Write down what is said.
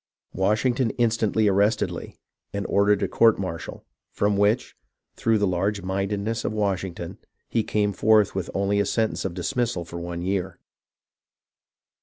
Washington instantly ar rested Lee, and ordered a court martial, from which, through the large mindedness of Washington, he came forth with only a sentence of dismissal for one year.